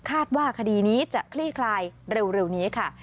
คาดว่าคดีนี้จะคลี่คลายเร็วนี้ค่ะ